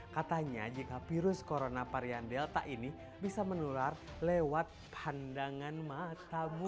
katanya jika virus corona varian delta ini bisa menular lewat pandangan matamu